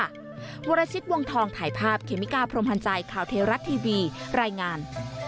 วรชิตวงทองถ่ายภาพเคมิกาพรมพันธ์ใจข่าวเทวรัฐทีวีรายงาน